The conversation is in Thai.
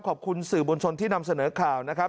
ขอบคุณสื่อบนชนที่นำเสนอข่าวนะครับ